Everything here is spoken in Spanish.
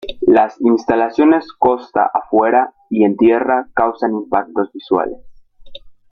Las instalaciones costa afuera y en tierra causan impactos visuales.